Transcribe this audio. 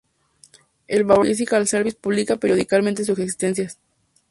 El Bureau of Fiscal Service publica periódicamente sus existencias.